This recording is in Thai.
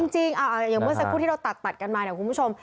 จริงอย่างเมื่อสักครู่ที่เราตัดกันมาเนี่ยคุณผู้ชม